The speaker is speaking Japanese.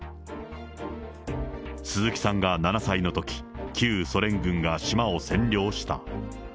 鈴木さんが７歳のとき、旧ソ連軍が島を占領した。